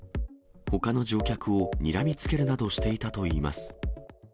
ほかの乗客をにらみつけるなどしていたといいます。